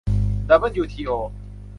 ดับเบิลยูทีโอ